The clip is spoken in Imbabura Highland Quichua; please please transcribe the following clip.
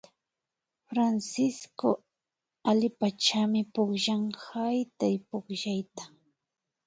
Francisco allipachami pukllan haytaypukllayta